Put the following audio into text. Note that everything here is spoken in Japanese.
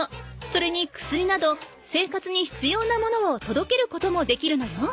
それに薬など生活にひつような物をとどけることもできるのよ。